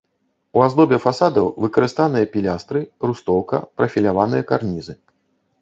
У аздобе фасадаў выкарыстаныя пілястры, рустоўка, прафіляваныя карнізы.